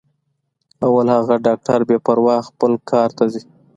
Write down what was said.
اوس هغه ډاکټره بې پروا خپل کار ته ځي.